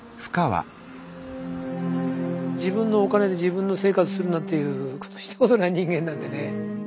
自分のお金で自分の生活するなんていうことしたことない人間なんでね。